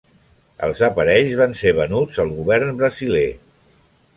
Els aparells van ser venuts al govern brasiler.